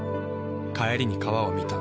帰りに川を見た。